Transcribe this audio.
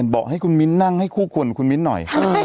บอกให้คุณมิ้นนั่งให้คู่ขวนคุณมิ้นหน่อย